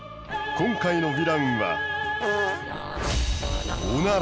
今回のヴィランは。